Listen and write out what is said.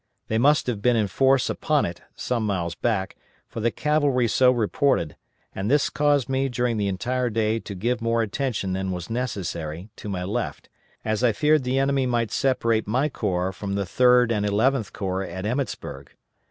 They must have been in force upon it some miles back, for the cavalry so reported, and this caused me during the entire day to give more attention than was necessary to my left, as I feared the enemy might separate my corps from the Third and Eleventh Corps at Emmetsburg.